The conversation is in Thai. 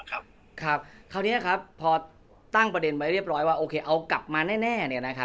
คราวนี้ครับพอตั้งประเด็นไว้เรียบร้อยว่าโอเคเอากลับมาแน่